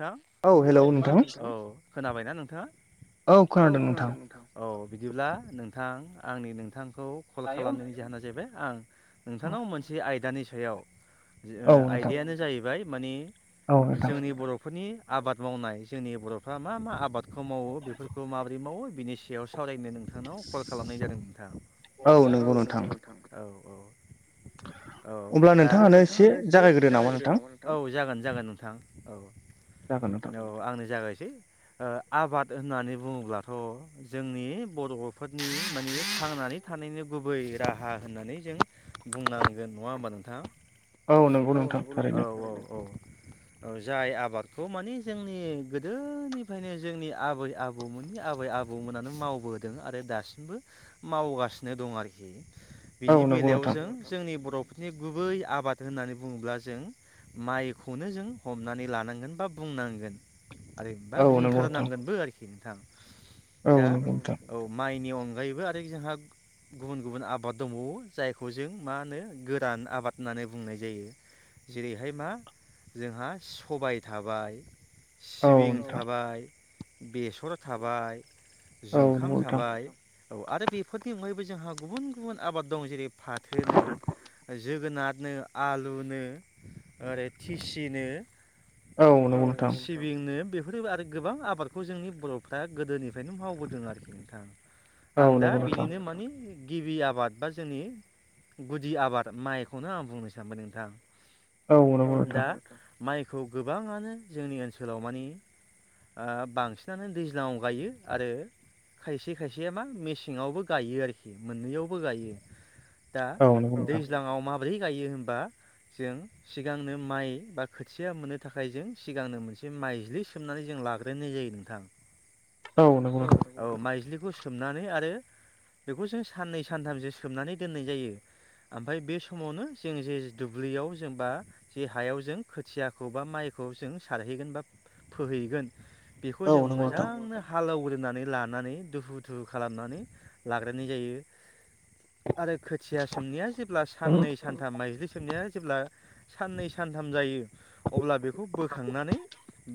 नोंथां औ हेलौ नोंथां औ खोनाबायना नोंथाङा। औ खोनादों नोंथां औ बिदिब्ला नोंथां। नोंथां आंनि नोंथांखौ कल खालामनायनि जाहोना जाहैबाय आं नोंथांनाव मोनसे आयदानि सायाव। आ सायाव जि आयदायानो जाहैबाय मानि। औ नोंथां। [unintelligible] आबाद मावनाय जोंनि बरफ्रा मा मा आबादनि। आबादखौ मावो बेफोरखौ माबोरै मावो बिनि सायाव सावरायनो नोंथांनाव कल खालामनाय जादों नोंथां। औ नंगौ नोंथां औ। औ दा बिदिबा नोंथाङानो एसे जागायग्रो नामा नोंथां औ जागोन जागोन नोंथां। औ औ आंनि जागायसै। नोसै आबाद होननानै बुङोब्लाथ जोंनि बरफोरनि माने। थांनानै थानायनि गुबै राहा होननानै जों बुंनांगोन नङा होमबा नोंथां। औ नंगौ नोंथां औ औ औ औ जाय आबाद। खौ‌ माने जोंनि गोदोनिफायनो जोंनि आबै आबौमोननि आबै आबौमोनानो मावबो। बोदों आरो दासिमबो मावगासिनो दं आरोखि बिनि बेलायाव जों जोंनि बर' नि गुबै आबाद होननानै बुङोब्ला जों माइखौनो जों हमनानै लानांगोन। बा बुंनांगोन आरो बुंथारनांगोनबो आरोखि नोंथां। दा औ माइनि अनगायैबो आरो जोंहा। गुबुन गुबुन आबाद दंबावो जायखौ जों मा होनो गोरान आबाद होननानै बुंनाय जायो। जेरैहाय मा जोंहा सबाय। थाबाय सिबिं थाबाय बेसर थाबाय। जोंखाम थाबाय। औ आरो बेफोरनि अनगायैबो जोंहा गुबुन गुबुन आबाद दं जेरै फाथो नो जोगोनारनो आलुनो ओरै थिसि नो। औ नंगौ नंगौ सिबिंनो बे बेफोर आरो गोबां आबादखौ जोंनि बरफ्रा गोदोनिफ्रायनो मावबोदों आरोखि नोंथां। आं दा बिदिनो मानि। गिबि आबाद बा जोंनि गुदि आबाद माइखौनो आं बुंनो सानबाय नोंथां। औ दा माइखौ गोबाङानो जोंनि ओनसोलाव मानि। ओ बांसिनानो दैज्लाङाव गायो आरो। खायसे खायसेया बा मेसेङावबो गायो आरोखि मोननैयावबो गायो। दा औ दैज्लाङाव माब्रै गायो होनबा जों सिगांनो माइ बा खो खोथिया मोननो थाखाय जों सिगांनो मोनसे माइज्लि सोमनानै जों लाग्रोनाय जायो नोंथां। औ औ माइज्लिखौ सोमनानै आरो। बेखौ जों साननै सानथामसो सोमनानै दोननाय जायो। ओमफ्राय बे समावनो जों जे दुब्लियाव जों बा जे हायाव जों खोथ खोथियाखौ बा माइखौ जों सारहैगोन बा फोहैगोन। बेखौ जों मोजांनो हालेवग्रो। नानै लानानै दोखो खुथु खालामनानै लाग्रोनाय जायो। आरो खोथिया समनिया जेब्ला साननै सानथाम माइ। सोमनाया जेब्ला साननै सानथाम जायो अब्ला बेखौ बोखांनानै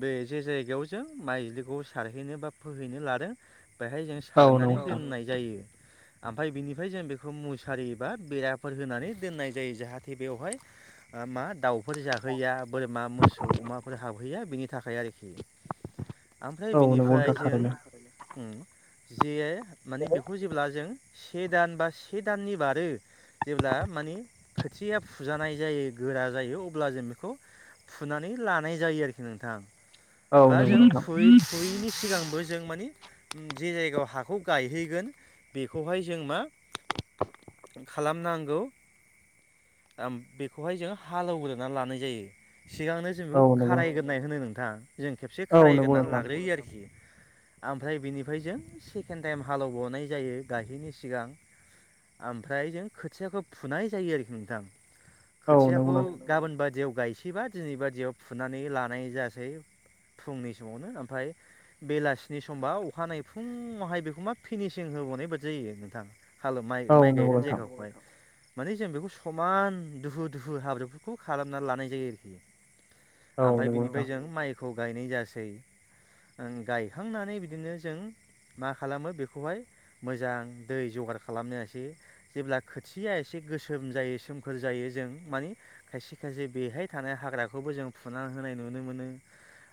बे। जे जायगायाव जों माइ बिखौ सारहैनो बा फोहैनो लादों। बेहाय जों सारनानै दोननाय जायो। ओमफाय बिनिफ्राय जों बेखौ मुसारि बा बेराफोर होनानै दोननाय जायो जाहाथे बेवहाय। मा दाउफोर जाहैया बोरमा मोसौ अमाफोर हाबहैया बेनि थाखाय। आरोखि ओमफ्राय बिनिफ्राय जों उम जे। माने बेखौ जेब्ला जों से दान बा से दाननि बारो। जेब्ला मानि खोथिया फुजानाय जायो गोरा जायो अब्ला जों बेखौ फुनानै लानाय जायो आरोखि नोंथां बा जों फुयै फुयैनि सिगां बो‌ जों मानि जे जायगायाव हाखौ गायहैगोन बेखौहाय जों मा खालामनांगौ बेखौहाय जों हालेवग्रोनानै लानाय जायो। सिगांनो जों बेखौ खारायग्रोननाय होनो नोंथां जों खेबसे खारायगोरोनना लाग्रोयो आरोखि। ओमफ्राय बिनिफ्राय जों सेकेन्ड टाइम हालेवबनाय जायो गायहैनि सिगां ओमफ्राय जों खोथियाखौ फुनाय जायो आरोखि नोंथां। खोथियाखौ गाबोनबा जेयाव गायसै- बा दिनै बादियाव फुनानै लानाय जायासै फुंनि समावनो ओमफ्राय बेलासिनि समबा अखानायै फुुंआवहाय बेखौ मा फिनिसिं हो होबावनाय बादि जायो नोंथां हालव माइ गायगोन जायगाखौहाय। माने जों बेखौ समान दुहु दुहु हाब्रुफोरखौ खालामना लानाय जायो आरोखि। ओमफ्राय बिनिफ्राय जों माइखौ गायनाय जासै गायखांनानै बिदिनो जों मा खालामो बेखौहाय मोजां दै जगार खालामनोसै जेब्ला खोथिया एसे गोसोम जायो सोमखोर जायो जों माने खायसे खायसे बेहाय थानाय हाग्राखौबो जों फुनानै होनाय नुनो मोनो।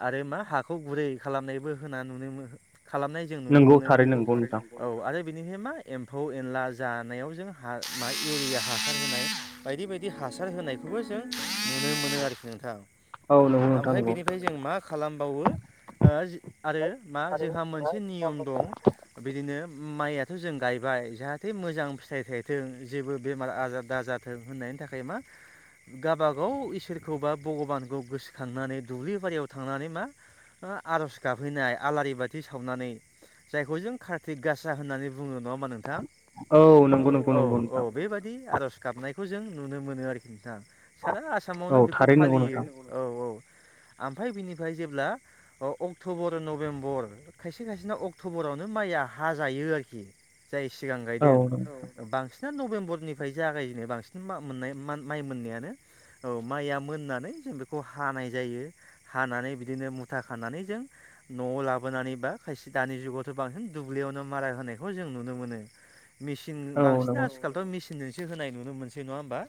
आरो मा हाखौ गुरै खालामनायबो होना नुनो मोन। खालामनाय जों नुनो मोनो औ आरो बानिनो मा एमफौ एला जानायाव जों हा मा हासार होनाय बाययदि बाययदि हासार होनायखौबो जों। नुनो मोनो आरोखि नोंथां ओमफ्राय बेनिफ्राय जों मा खालामबावो आरो मा जोंहा मोनसे नियम दं बिदिनो माइयाथ' जों गायबाय जाहाथे मोजां फिथाइ थायथों जेबो बेमार आजार दाजाथों होननानै थाखाय मा गावबाग गाव इसोरखौ बा भगबानखौ गोसोखांनानै दुब्लि बारियाव थांनानै मा आर'ज गाबो। होनाय आलारि बाथि सावनानै जायखौ जों कार्तिक गासा होननानै बुङो। नङाहोनबा नोंथां औ औ औ बेबायादि आर'ज गाबनायखौ जों। नुनो मोनो आरोखि नोंथां सारा आसामावनो बेखौ फालियो औ औ। ओमफ्राय बिनिफ्राय जेब्ला अक्ट'बर नभेम्बर खायसे खायसेना अक्ट'बरावनो माइया हा जायो आरोखि जाय सिगां गायदों बांसि ना‌ भेम्बरनिफ्राय जागायजेननाय बांसिन मोननाय माइ मोननायानो। औ माइया मोननानै जों बेखौ हानाय जायो हानानै बिदिनो मुथा खानानै जों न'आव लाबोनानै बा खायसे दानि जुगावथ' बांसिन दुब्लियावनो मारा होनायखौ जों नुनो मोनो। मेसिन बांसिन आथिखालथ' मेसिनजोंसो होनाय नुनो मोनसै नङा होमबा।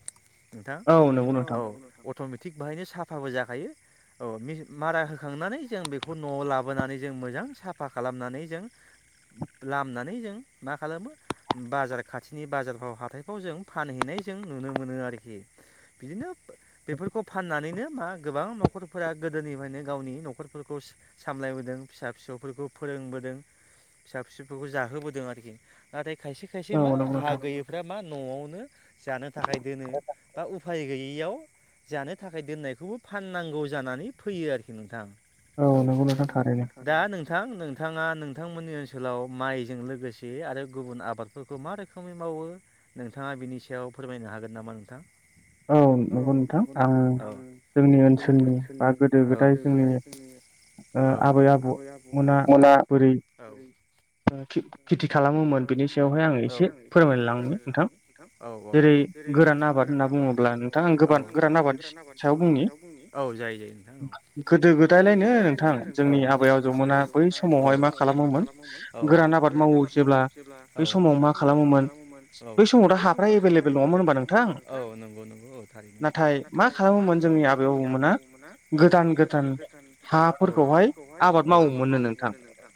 औ नंगौ नोंथां। अट'मेटिक बाहायनो साफाबो जाखायो। औ मारा होखांनानै जों बेखौ न'आव लाबोनानै जों मोजां साफा खालामनानै जों लामनानै जों मा खालामो बाजार खाथिनि बाजारफ्राव हाथायफ्राव जों फानहैनाय जों नुनो मोनो आरोखि बिदिनो बेफोरखौ फाननानैनो मा गोबां न'खरफोरा गोदोनिफ्रायनो गावनि न'खरफोरखौ सामलायबोदों फिसा फिसौफोरखौ फोरों फोरोंबोदों फिसा फिसौफोरखौ जाहोबोदों आरोखि नाथाय खायसे खायसे मा हा गैयिफ्रा मा न'आवनो जानो थाखाय दोनो। दा उफाय गैयैयाव जानो थाखाय दोननायखौबो फाननांगौ जानानै फैयो आरोखि नोंथां। औ औ दा नों थां नोंथाङा नोंथांमोननि ओनसोलाव माइजों लोगोसे आरो गुबुन आबादफोरखौ मा रोखोमै माव बावो नोंथाङा बिनि सायाव फोरमायनो हागोन नामा नों औ नंगौ नोंथां आं जोंनि ओनसोलनि बा गोदो गोदाय जोंनि ओ आबै आबौमोना बोरै ओ थि खेथि खालामोमोन बेनि सायावहाय आङो एसे फोरमाय लांनि नोंथां जेरै गोरान आबाद होनना बुंङो नोंथां आं गोबान गोरान आबादनि सायाव बुंनि गोदो गोदायलायनो नोंथां जोंनि आबै आबजौमोना बै समावहाय मा खालामोमोन गोरान आबाद मावो जेब्ला बा औ बै समाव मा खालामोमोन औ बै समावथ' हाफ्रा एभेलेबेल नङामोन होनबा नोंथां औ नंगौ नंगौ नंगौ औ थारैनो नाथाय मा खालामोमोन जोंनि आबै आबौमोना औ गोदान गोदान औ हा फोरखौहाय औ आबाद मावोमोन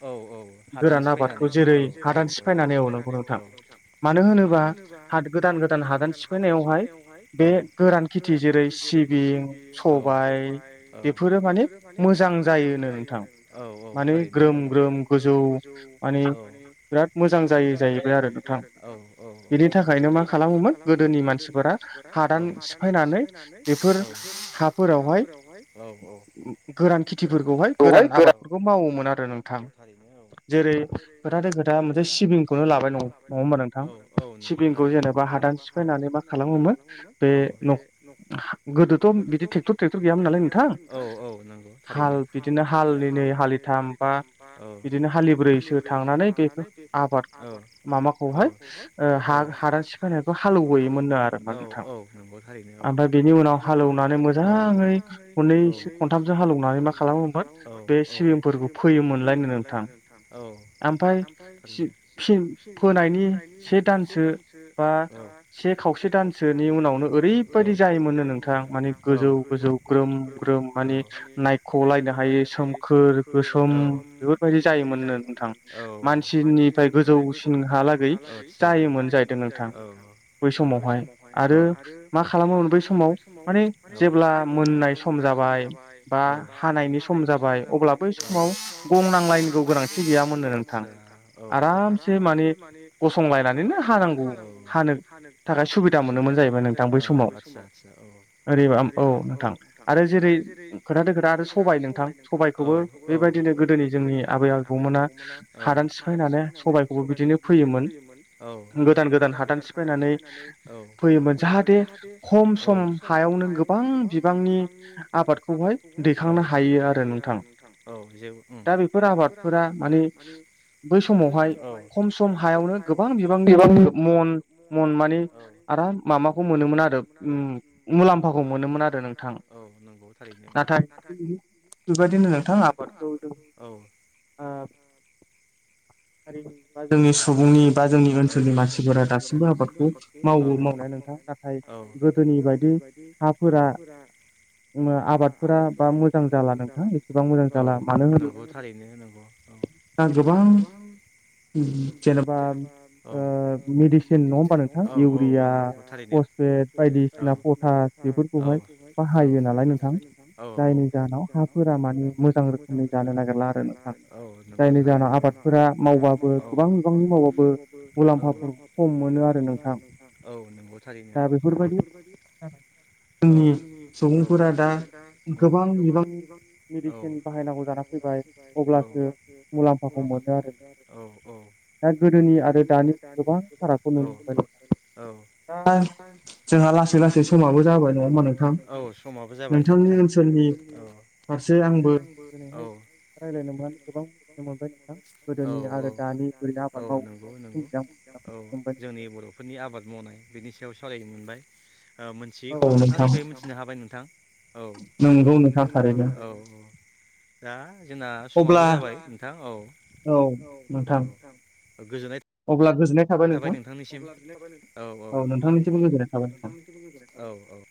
औ औ हादान सिफायनानै औ औ औ [unintelligible] नंगौ नोंथां मानो होनोबा हा गोदान गोदान हादान सिफ हादान सिफायनायावहाय औ बे गोरान खेथि जेरै सिबिं औ सबाय औ बेफोरो माने मोजां जायोनो नोंथां औ औ थारैनो माने ग्रोम ग्रोम गोजौ औ बिराद मोजां जायो जाहैबाय आरोना औ औ औ बिनि थाखायनो मा खालाम गोदोनि मानसिफोरा औ हादान सिफायनानै हाफोरावहाय औ औ खेथिफोरखौहाय गोरान आबादफोरखौ मावोमोन आरो नोंथां जेरै खोथाथै खोथा मोनसे सिबिंखौनो लाबाय ने नङा होमबा नोंथां सिबिंखौ जेनेबा हादान सिफायनानै मा खालामोमोन औ बे न गोदोथ' बिदि ट्रेक्टर ट्रेक्टर गैयामोन नालाय नोंथां औ औ नंगौ थारैनो हाल बिदिनो हालिनै हालिथाम बा ओ बिदिनो हालिब्रैसो थांनानै आबाद माबाखौहाय ओ हा हादान सिफायनायखौ हालौ होयोमोननो आरो माने औ नंगौ थारैनो औ ओमफ्राय बेनि उनाव हालौवनानै मोजाङैै औ खननैसो खथामसो हालौवनानै मा खालामोनलाय औ औ बे सिबिंफोरखौ फैयोमोनलायनो नोंथां औ ओमफ्राय फि फिन फोनायनि से दानसो बा से खावसे दान सोनि उनावनो ओरैबायदि जायोमोननो नोंथां माने गोजौ गोजौ ग्रोम ग्रोम माने नायख'लायनो हायो सोमखोर गोसोम बेफोरबायदि जायोमोननो नोंथां मानसि निफ्राय गोजौसिनहालागै जायोमोन जाहैदों नोंथां ओ ओ औ बै समावहाय औ आरो मा खालामोमोन बै समाव औ जेब्ला मोननाय सम जाबाय औ बा हानायनि सम जाबाय अब्ला बै समाव गंनांलायि गोनांथि गैयामोन नो आरो नोंथां आरामसे माने गसंलायनानैनो हानांगौ हानो थाखाय सुबिदा मोनोमोन जाहैबाय ओ आतसा आतसा औ ओरैबा औ नोंथां आरो जेरै खोथाथै खोथा आरो सबाय नोंथां सबायखौबो बेबायदि बेबायदिनो गोदोनि जोंनि आबै आबौमोना हादान सिफायनानै सबायखौबो बिदिनो फोयोमोन औ गोदान गोदान हादान सिफायनानै फोयोमोन जाहाथे खम सम हायावनो गोबां बिबांनि आबादखौ दैखांनो हायो आरो नोंथां दा बेफोर आबादफोरा मानि बै समावहाय खम सम हायावनो गोबां बिबांनि गोब मन मन माने आराम माबाखौ मोनोमोन आरो उम मुलाम्फाखौ मोनोमोन आरो नोंथां नाथाय बेबायदिनो नोंथां आबादखौ जोङो ओ हारिनि बा जोंनि सुबुंनि बा जोंनि ओनसोलनि मानसि जरा दासिमबो आबादखौ मावो मावनाय न औ गोदोनि बायदि हाफोरा आबादफोरा बा मोजां जाला औ नोंगौ थारैनो नोंगौ दा गोबां जेनेबा ओ मेडिसिन नङा होमबा नोंथां इउरिया थारैनोे औ औ औ औ औ जायनि जाहोनाव हाफोरा माने मोजां रोखोमनि जानो नागिरला आरो ना जायनि जाहोनाव आबाद मावबाबो गोबां बिबांनि मावाबो खम मोनो आरो नोंथां औ नंगौ थारैनो बेफोरबायदि औ औ औ औ औ औ औ दा गोदोनि आरो दानि औ औ जोंहा लासै लासै समाबो जाबाय नङा होमबा नोंथां औ समाबो जाबाय जोंनि ओनसोलनि औ फारसे आंबो औ रायज्लायनो मोनानो गोबां मिथिनो मोनबाय नोंथां गोदोनि आरो दानि बोरै आबाद मावोजां औ जोंनि बर'फोरनि आबाद मावनाय बिनि सायाव सावरायनो मोनबाय मोनथियैखौ नोंथांनिफ्राय मिथिनो हाबाय नोंथां औ औ औ दा जोंना समाबो जाबाय नोंथां औ गोजोननाय थाबाय नोंथांनिसिम औ औ औ औ औ